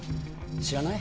知らない？